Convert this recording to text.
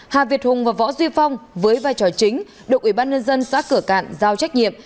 hà việt hùng và võ duy phong với vai trò chính được ubnd xã cửa cạn giao trách nhiệm